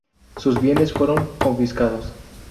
Sus bienes fueron confiscados.